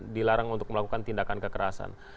dilarang untuk melakukan tindakan kekerasan